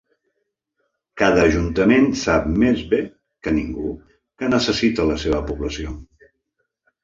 Cada ajuntament sap més bé que ningú què necessita la seva població.